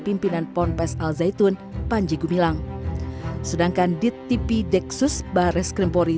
pimpinan pornpes al zaitun panji kumilang sedangkan dit tp dexus barres krimpori